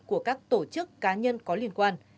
của các tổ chức cá nhân có liên quan